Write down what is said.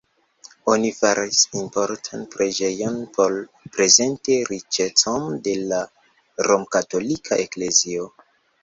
Oni faris imponan preĝejon por prezenti riĉecon de la romkatolika eklezio.